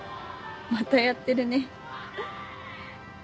またやってるね。